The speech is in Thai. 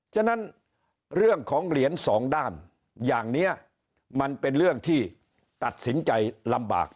ฉะนั้นเรื่องของเหรียญสองด้านอย่างนี้มันเป็นเรื่องที่ตัดสินใจลำบาก